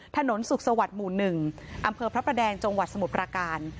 ถนนสุขสวัสดิ์หมู่๑อำเภอพระประแดงจังหวัดสมุทรประการ